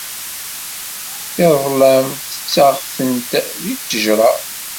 Tireḍlam tetteɣ-tent deg ttejra.